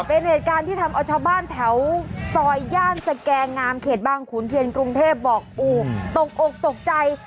เป็นเหตุการณ์ที่ทำเอาชาวบ้านแถวซอยย่านสแกงามเขตบางขุนเทียนกรุงเทพบอกโอ้ตกอกตกใจ